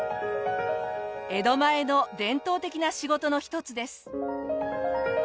江戸前の伝統的な仕事の一つです。